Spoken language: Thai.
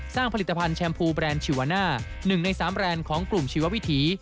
ผลิตภัณฑ์แชมพูแบรนด์ชีวาน่า๑ใน๓แบรนด์ของกลุ่มชีววิถี